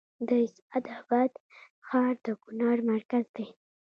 د اسعد اباد ښار د کونړ مرکز دی